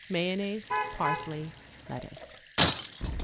Mayonnaise, parsley, lettuce.